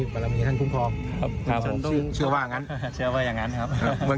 เข้าตากครับ